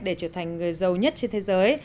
để trở thành người giàu nhất trên thế giới